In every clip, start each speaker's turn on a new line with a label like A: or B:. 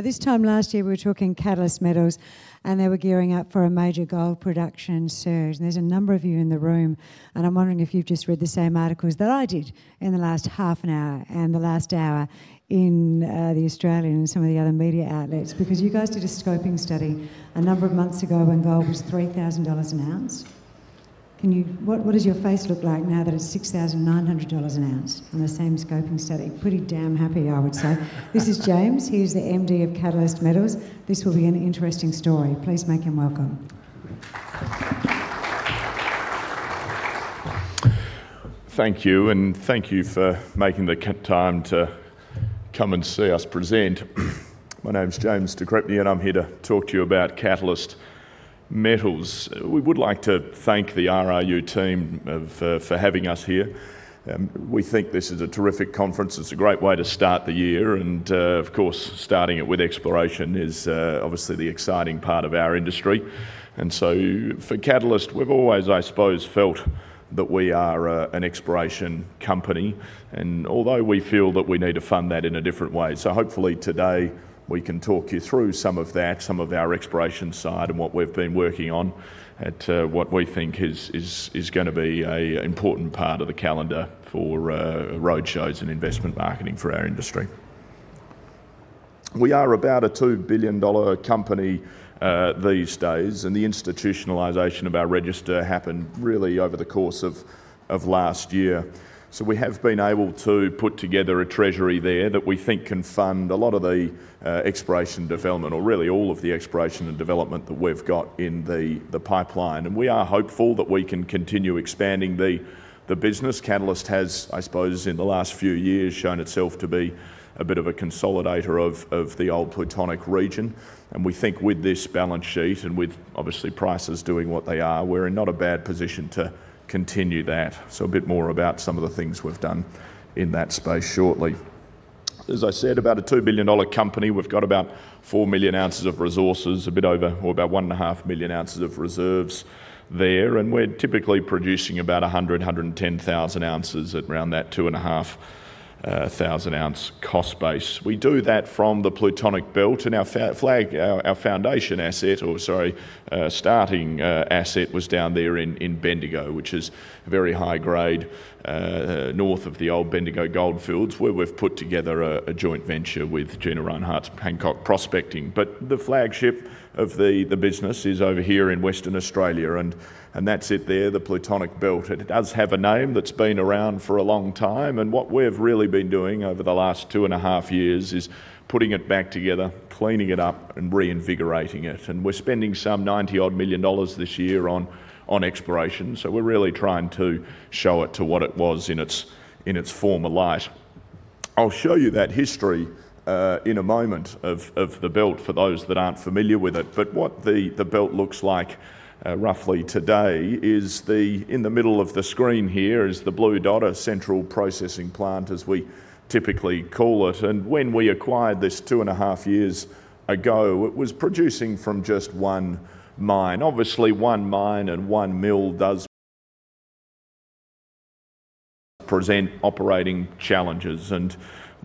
A: This time last year, we were talking Catalyst Metals, and they were gearing up for a major gold production surge. There's a number of you in the room, and I'm wondering if you've just read the same articles that I did in the last half an hour and the last hour in The Australian and some of the other media outlets. Because you guys did a scoping study a number of months ago when gold was 3,000 dollars an ounce. Can you—what, what does your face look like now that it's 6,900 dollars an ounce in the same scoping study? Pretty damn happy, I would say. This is James. He is the MD of Catalyst Metals. This will be an interesting story. Please make him welcome.
B: Thank you, and thank you for making the time to come and see us present. My name's James de Crespigny, and I'm here to talk to you about Catalyst Metals. We would like to thank the RIU team of for having us here. We think this is a terrific conference. It's a great way to start the year, and of course, starting it with exploration is obviously the exciting part of our industry. And so for Catalyst, we've always, I suppose, felt that we are a, an exploration company, and although we feel that we need to fund that in a different way. So hopefully today we can talk you through some of that, some of our exploration side and what we've been working on at what we think is gonna be a important part of the calendar for road shows and investment marketing for our industry. We are about a 2 billion-dollar company these days, and the institutionalization of our register happened really over the course of last year. So we have been able to put together a treasury there that we think can fund a lot of the exploration, development, or really all of the exploration and development that we've got in the pipeline. And we are hopeful that we can continue expanding the business. Catalyst has, I suppose, in the last few years, shown itself to be a bit of a consolidator of the old Plutonic region. We think with this balance sheet and with obviously prices doing what they are, we're in not a bad position to continue that. So a bit more about some of the things we've done in that space shortly. As I said, about a 2 billion-dollar company. We've got about 4 million ounces of resources, a bit over or about 1.5 million ounces of reserves there, and we're typically producing about 100 to 110 thousand ounces at around that AUD 2,500-ounce cost base. We do that from the Plutonic Belt, and our flagship asset, or sorry, starting asset was down there in Bendigo, which is very high grade north of the old Bendigo goldfields, where we've put together a joint venture with Gina Rinehart's Hancock Prospecting. But the flagship of the business is over here in Western Australia, and that's it there, the Plutonic Belt. It does have a name that's been around for a long time, and what we've really been doing over the last two and a half years is putting it back together, cleaning it up, and reinvigorating it. And we're spending some 90-odd million dollars this year on exploration, so we're really trying to show it to what it was in its former light. I'll show you that history in a moment of the belt, for those that aren't familiar with it. But what the belt looks like roughly today is the in the middle of the screen here is the blue dot, a central processing plant, as we typically call it. And when we acquired this 2.5 years ago, it was producing from just one mine. Obviously, one mine and one mill does present operating challenges, and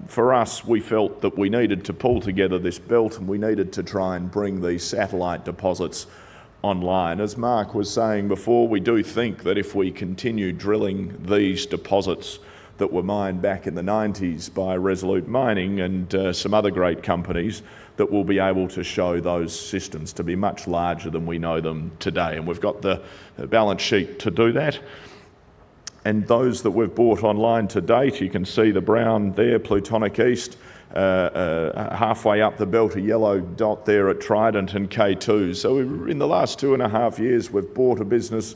B: for us, we felt that we needed to pull together this belt, and we needed to try and bring these satellite deposits online. As Mark was saying before, we do think that if we continue drilling these deposits that were mined back in the nineties by Resolute Mining and some other great companies, that we'll be able to show those systems to be much larger than we know them today, and we've got the balance sheet to do that. And those that we've bought online to date, you can see the brown there, Plutonic East, halfway up the belt, a yellow dot there at Trident and K2. So we're in the last 2.5 years, we've bought a business,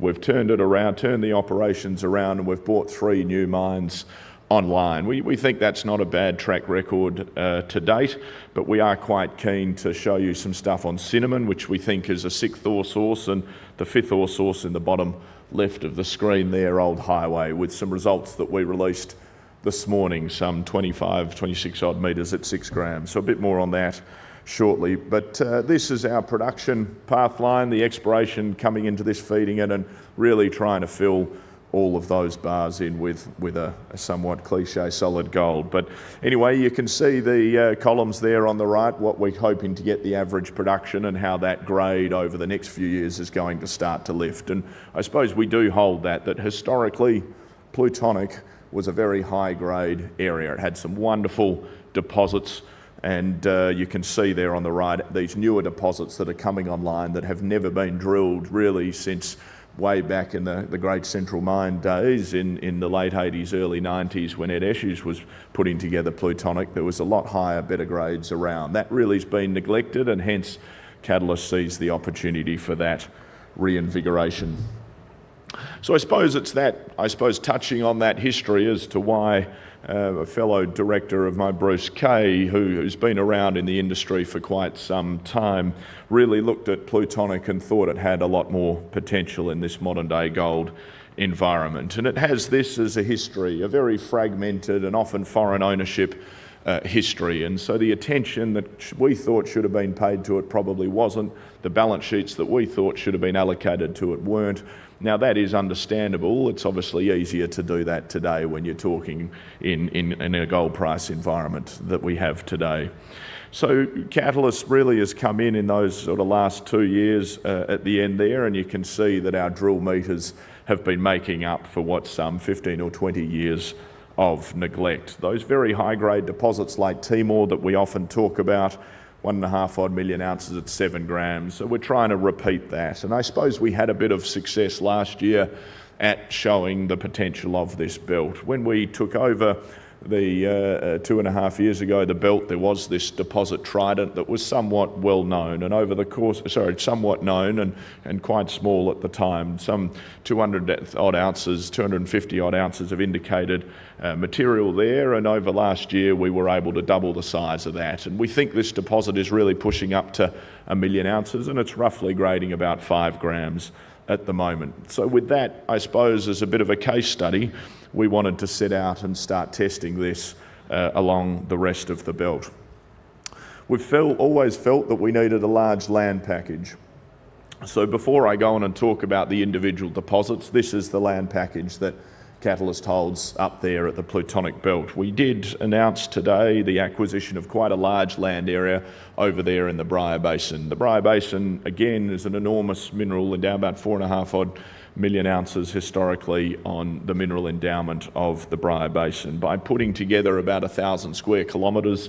B: we've turned it around, turned the operations around, and we've brought three new mines online. We think that's not a bad track record to date, but we are quite keen to show you some stuff on Cinnamon, which we think is a sixth ore source, and the fifth ore source in the bottom left of the screen there, Old Highway, with some results that we released this morning, some 25 to 26-odd meters at 6 grams. So a bit more on that shortly. But this is our production path line, the exploration coming into this, feeding it, and really trying to fill all of those bars in with a somewhat cliché solid gold. But anyway, you can see the columns there on the right, what we're hoping to get the average production and how that grade over the next few years is going to start to lift. And I suppose we do hold that, that historically, Plutonic was a very high-grade area. It had some wonderful deposits, and you can see there on the right, these newer deposits that are coming online that have never been drilled, really, since way back in the great Central Mine days in the late eighties, early nineties, when Ed Eshuijs was putting together Plutonic. There was a lot higher, better grades around. That really has been neglected, and hence, Catalyst seized the opportunity for that reinvigoration. So I suppose it's that, I suppose touching on that history as to why, a fellow director of mine, Bruce Kay, who, who's been around in the industry for quite some time, really looked at Plutonic and thought it had a lot more potential in this modern-day gold environment. And it has this as a history, a very fragmented and often foreign ownership, history, and so the attention that we thought should have been paid to it probably wasn't, the balance sheets that we thought should have been allocated to it weren't. Now, that is understandable. It's obviously easier to do that today when you're talking in, in, in a gold price environment that we have today. So Catalyst really has come in, in those sort of last two years, at the end there, and you can see that our drill meters have been making up for what? Some 15 or 20 years of neglect. Those very high-grade deposits like Timor that we often talk about, 1.5 million ounces at 7 grams, so we're trying to repeat that. And I suppose we had a bit of success last year at showing the potential of this belt. When we took over the, 2.5 years ago, the belt, there was this deposit, Trident, that was somewhat well-known, and over the course... Sorry, somewhat known and, and quite small at the time. Some 200 ounces, 250 ounces of indicated material there, and over last year, we were able to double the size of that. We think this deposit is really pushing up to 1 million ounces, and it's roughly grading about 5 grams at the moment. So with that, I suppose as a bit of a case study, we wanted to set out and start testing this along the rest of the belt. We've always felt that we needed a large land package, so before I go on and talk about the individual deposits, this is the land package that Catalyst holds up there at the Plutonic Belt. We did announce today the acquisition of quite a large land area over there in the Bryah Basin. The Bryah Basin, again, is an enormous mineral endowment about 4.5 million ounces historically on the mineral endowment of the Bryah Basin. By putting together about 1,000 sq km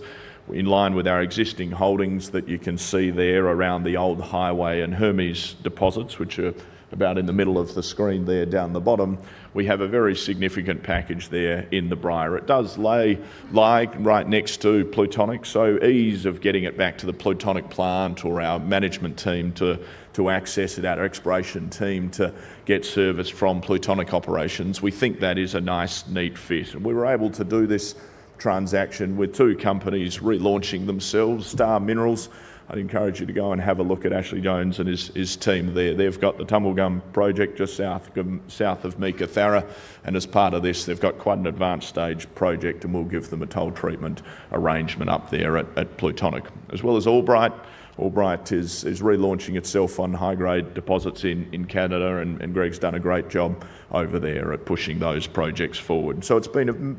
B: in line with our existing holdings that you can see there around the Old Highway and Hermes deposits, which are about in the middle of the screen there down the bottom, we have a very significant package there in the Bryah. It does lay, lie right next to Plutonic, so ease of getting it back to the Plutonic plant or our management team to, to access it, our exploration team, to get service from Plutonic operations. We think that is a nice, neat fit. And we were able to do this transaction with two companies relaunching themselves. Star Minerals, I'd encourage you to go and have a look at Ashley Jones and his, his team there. They've got the Tumblegum Project just south of Meekatharra, and as part of this, they've got quite an advanced stage project, and we'll give them a toll treatment arrangement up there at Plutonic. As well as Albright. Albright is relaunching itself on high-grade deposits in Canada, and Greg's done a great job over there at pushing those projects forward. So it's been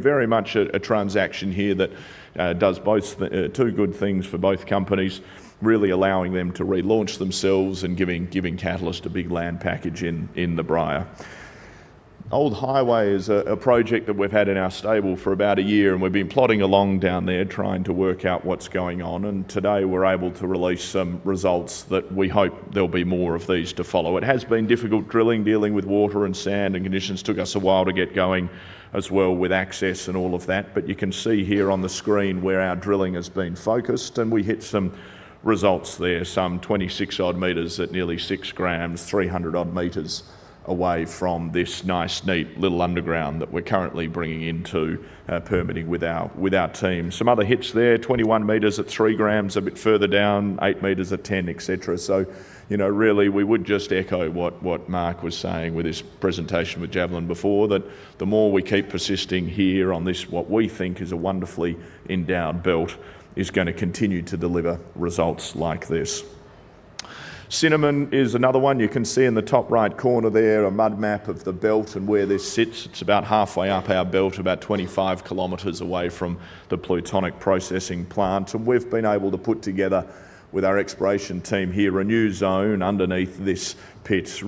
B: very much a transaction here that does both two good things for both companies, really allowing them to relaunch themselves and giving Catalyst a big land package in the Bryah. Old Highway is a project that we've had in our stable for about a year, and we've been plodding along down there, trying to work out what's going on, and today, we're able to release some results that we hope there'll be more of these to follow. It has been difficult drilling, dealing with water and sand and conditions. Took us a while to get going as well with access and all of that, but you can see here on the screen where our drilling has been focused, and we hit some results there, some 26-odd meters at nearly 6 grams, 300-odd meters away from this nice, neat little underground that we're currently bringing into permitting with our team. Some other hits there, 21 meters at 3 grams, a bit further down, 8 meters at 10, etc. So, you know, really, we would just echo what Mark was saying with his presentation with Javelin before, that the more we keep persisting here on this, what we think is a wonderfully endowed belt, is gonna continue to deliver results like this. Cinnamon is another one. You can see in the top right corner there a mud map of the belt and where this sits. It's about halfway up our belt, about 25 km away from the Plutonic processing plant. And we've been able to put together, with our exploration team here, a new zone underneath this pit.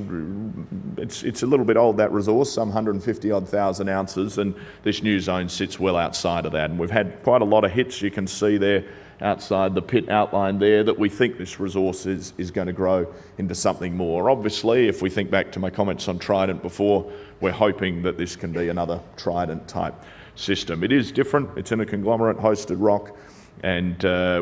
B: It's, it's a little bit old, that resource, some 150,000 ounces, and this new zone sits well outside of that, and we've had quite a lot of hits. You can see there outside the pit outline there, that we think this resource is gonna grow into something more. Obviously, if we think back to my comments on Trident before, we're hoping that this can be another Trident-type system. It is different. It's in a conglomerate-hosted rock, and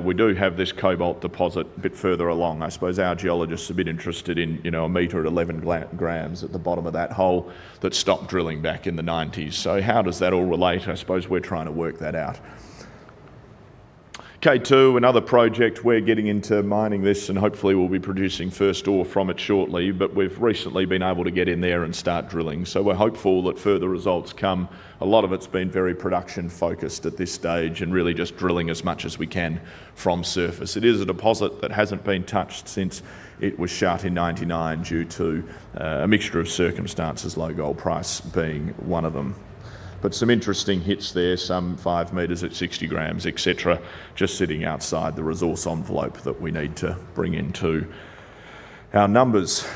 B: we do have this cobalt deposit a bit further along. I suppose our geologists are a bit interested in, you know, a meter at 11 grams at the bottom of that hole that stopped drilling back in the nineties. So how does that all relate? I suppose we're trying to work that out. K2, another project. We're getting into mining this, and hopefully, we'll be producing first ore from it shortly, but we've recently been able to get in there and start drilling, so we're hopeful that further results come. A lot of it's been very production-focused at this stage and really just drilling as much as we can from surface. It is a deposit that hasn't been touched since it was shut in 1999 due to a mixture of circumstances, low gold price being one of them. But some interesting hits there, some 5 meters at 60 grams, etc. just sitting outside the resource envelope that we need to bring into our numbers.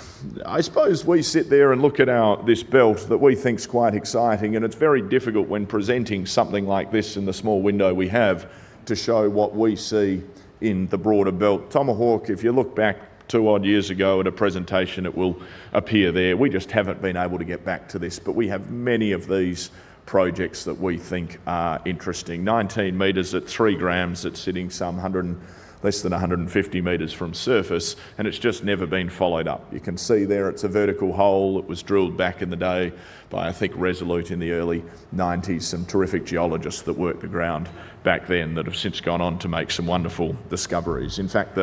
B: I suppose we sit there and look at our... This belt that we think is quite exciting, and it's very difficult when presenting something like this in the small window we have, to show what we see in the broader belt. Tomahawk, if you look back two-odd years ago at a presentation, it will appear there. We just haven't been able to get back to this, but we have many of these projects that we think are interesting. 19 meters at 3 grams, it's sitting some 100 and less than 150 meters from surface, and it's just never been followed up. You can see there, it's a vertical hole. It was drilled back in the day by, I think, Resolute in the early 1990s. Some terrific geologists that worked the ground back then that have since gone on to make some wonderful discoveries. In fact,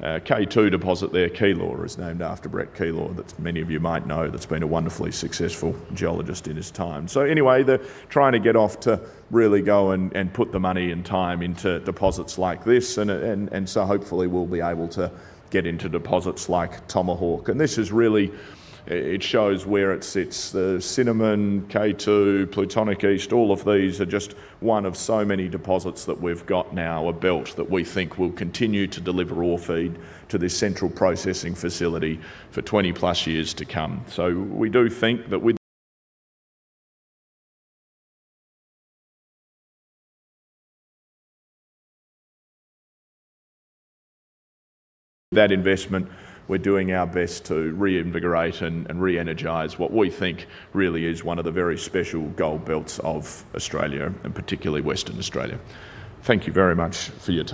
B: the K2 deposit there, Keillor, is named after Brett Keillor, that many of you might know, that's been a wonderfully successful geologist in his time. So anyway, they're trying to get off to really go and put the money and time into deposits like this, and so hopefully, we'll be able to get into deposits like Tomahawk. And this is really, it shows where it sits. The Cinnamon, K2, Plutonic East, all of these are just one of so many deposits that we've got now, a belt that we think will continue to deliver ore feed to this central processing facility for 20+ years to come. So we do think that with that investment, we're doing our best to reinvigorate and re-energize what we think really is one of the very special gold belts of Australia and particularly Western Australia. Thank you very much for your time.